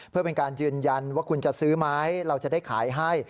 เพื่อเป็นการยืนยันว่าคุณจะซื้อไหมเราจะได้ขายให้